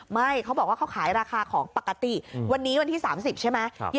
ไม่เขาบอกว่าเขาขายราคาของปกติวันนี้วันที่๓๐ใช่ไหม